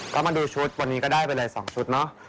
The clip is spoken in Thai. ก็มาดูชุดวันนี้ก็ได้ไปเลย๒ชุดเนอะ